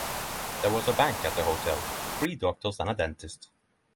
There was a bank and a hotel, three doctors and a dentist.